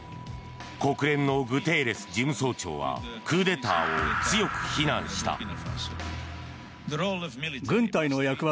国連のグテーレス事務総長はクーデターを強く非難した。